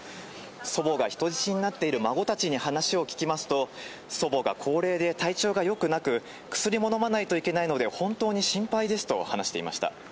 祖母が人質になっている孫たちに話を聞きますと祖母は高齢で体調が良くなく薬も飲まないといけないので本当に心配ですと話していました。